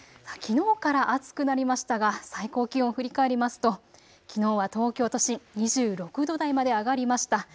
きのうから暑くなりましたが、最高気温を振り返りますときのうは東京都心２６度台まで上がりました。